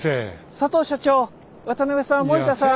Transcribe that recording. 佐藤所長渡邊さん森田さん